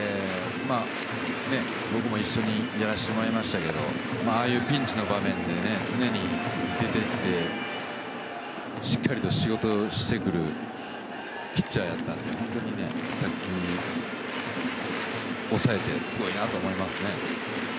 僕も一緒にやらせてもらいましたけどああいうピンチの場面で出て行って、常にしっかり仕事してくれるピッチャーなので本当に、さっき抑えてすごいなと思いますね。